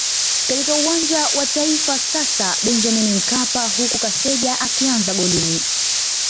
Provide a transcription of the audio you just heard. katika Uwanja wa Taifa sasa Benjamin Mkapa huku Kaseja akianza golini